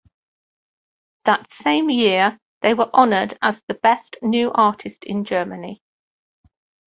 That same year, they were honored as the Best New Artist in Germany.